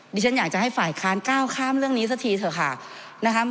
ดิฉันอยากจะให้ฝ่ายค้านก้าวข้ามเรื่องนี้สักทีเถอะค่ะนะคะ